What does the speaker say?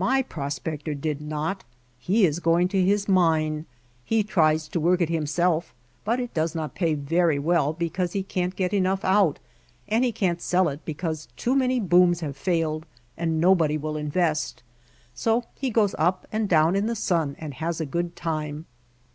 "My prospector did not. He is going to his mine. He tries to work it himself but it does not pay very well because he can't get enough out, and he can't sell it because too many booms have failed, and nobody will invest. So he goes up and down in the sun and has a good time."